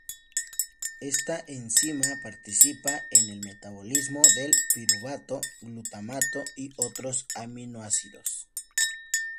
Esta enzima participa en el metabolismo del piruvato, glutamato y otros aminoácidos.